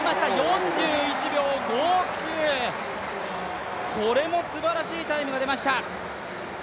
４１秒５９、これもすばらしいタイムが出ました。